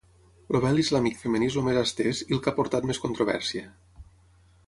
El vel islàmic femení és el més estès i el que ha portat més controvèrsia.